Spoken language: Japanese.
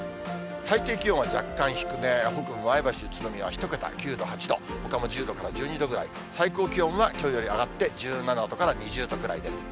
最低気温は若干低め、北部の前橋、宇都宮は１桁、９度、８度、ほかも１０度から１２度ぐらい、最高気温はきょうより上がって１７度から２０度ぐらいです。